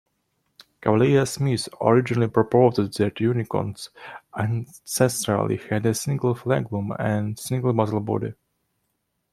Cavalier-Smith originally proposed that unikonts ancestrally had a single flagellum and single basal body.